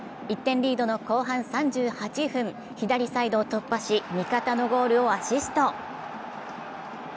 １点リードの後半３８分左サイドを突破し味方のゴールをアシスト。